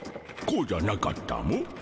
こうじゃなかったモ。